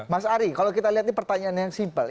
mas ari kalau kita lihat ini pertanyaan yang simpel